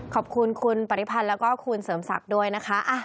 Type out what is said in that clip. ขอบคุณคุณปริพันธ์แล้วก็คุณเสริมศักดิ์ด้วยนะคะ